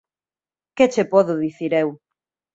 Que che podo dicir eu